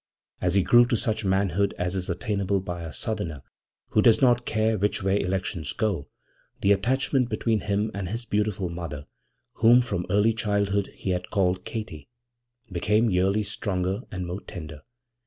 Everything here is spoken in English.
As he grew to such manhood as is attainable by a Southerner who does not care which way elections go, the attachment between him and his beautiful mother whom from early childhood he had called Katy became yearly stronger and more tender.